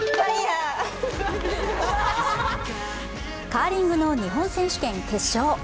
カーリングの日本選手権決勝。